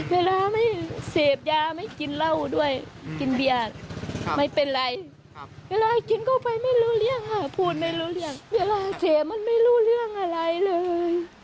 เวลาเสียมันไม่รู้เรื่องอะไรเลย